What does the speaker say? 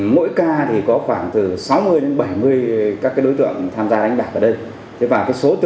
mỗi ca có khoảng sáu mươi bảy mươi đối tượng tham gia đánh bạc